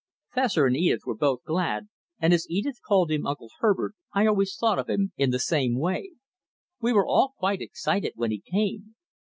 Fessor and Edith were both glad, and as Edith called him Uncle Herbert, I always thought of him in the same way. We were all quite excited when he came.